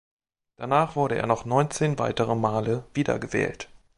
Danach wurde er noch neunzehn weitere Male wiedergewählt.